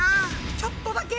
ちょっとだけ。